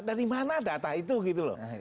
dari mana data itu gitu loh